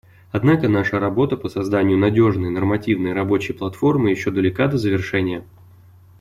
Однако наша работа по созданию надежной нормативной и рабочей платформы еще далека до завершения.